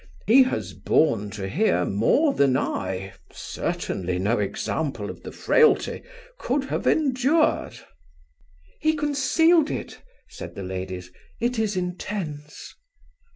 He has borne to hear more than I, certainly no example of the frailty, could have endured." "He concealed it," said the ladies. "It is intense."